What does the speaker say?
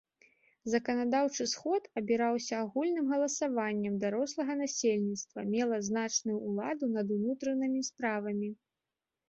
Заканадаўчы сход абіраўся агульным галасаваннем дарослага насельніцтва, мела значную ўладу над унутранымі справамі.